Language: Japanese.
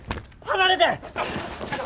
離れて！